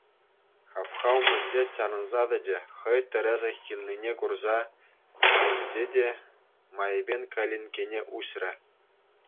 Хапха умӗнче чарӑнса тӑчӗ, хӑй тӗрӗсех килнине курса ӗненчӗ те майӗпен калинккене уҫрӗ.